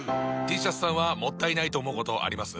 Ｔシャツさんはもったいないと思うことあります？